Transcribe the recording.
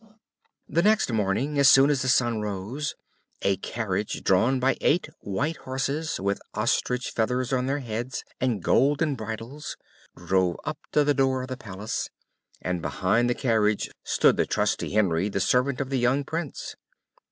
The next morning, as soon as the sun rose, a carriage drawn by eight white horses, with ostrich feathers on their heads, and golden bridles, drove up to the door of the palace, and behind the carriage stood the trusty Henry, the servant of the young Prince.